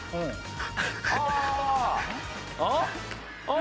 あ。